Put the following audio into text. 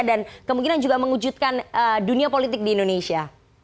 dan kemungkinan juga mengujudkan dunia politik di indonesia